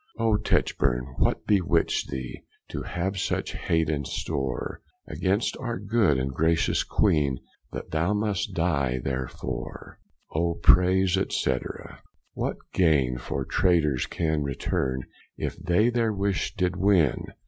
O Techburne, what bewitched thee To have such hate in store, Against our good and gratious Queene, That thou must dye therefore? O praise, &c. What gaine for traitors can returne, If they their wish did win?